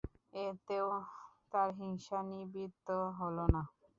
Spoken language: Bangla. এতেও তার হিংসা নিবৃত্ত হল না।